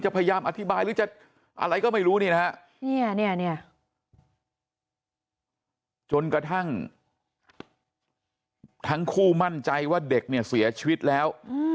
พยายามอธิบายหรือจะอะไรก็ไม่รู้นี่นะฮะจนกระทั่งทั้งคู่มั่นใจว่าเด็กเนี่ยเสียชีวิตแล้ว